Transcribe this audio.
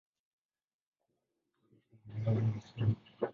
Kuvu hutoa pia madawa na sumu.